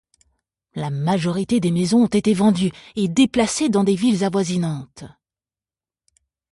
La majorité des maison ont été vendues et déplacées dans des villes avoisinantes.